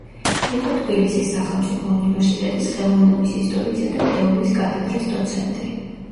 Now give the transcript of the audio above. იყო თბილისის სახელმწიფო უნივერსიტეტის ხელოვნების ისტორიისა და თეორიის კათედრის დოცენტი.